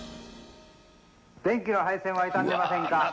電気の配線は痛んでませんか？